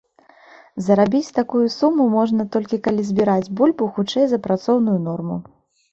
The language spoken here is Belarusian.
Зарабіць такую суму можна, толькі калі збіраць бульбу хутчэй за працоўную норму.